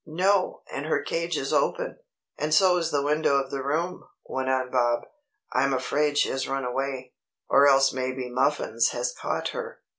"No, and her cage is open, and so is the window of the room," went on Bob. "I'm afraid she has run away, or else maybe Muffins has caught her."